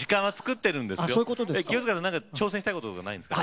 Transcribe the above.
清塚さん何か挑戦したいこととかないんですか？